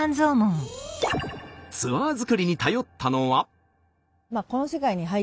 ツアー作りに頼ったのは。